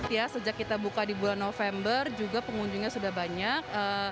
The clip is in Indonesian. ya sejak kita buka di bulan november juga pengunjungnya sudah banyak